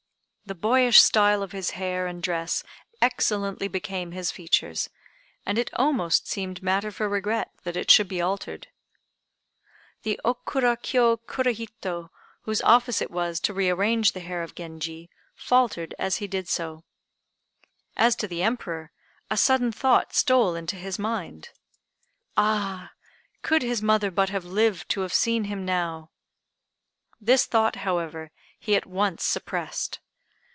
The boyish style of his hair and dress excellently became his features; and it almost seemed matter for regret that it should be altered. The Okura Kiô Kurahito, whose office it was to rearrange the hair of Genji, faltered as he did so. As to the Emperor, a sudden thought stole into his mind. "Ah! could his mother but have lived to have seen him now!" This thought, however, he at once suppressed.